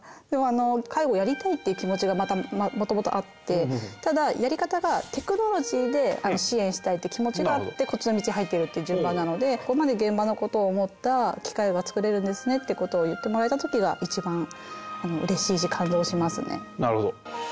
でもあの介護やりたいっていう気持ちがもともとあってただやり方がテクノロジーで支援したいって気持ちがあってこっちの道入ってるって順番なのでここまで現場のことを思った機械が作れるんですねってことを言ってもらえたときがいちばんうれしいし感動しますね。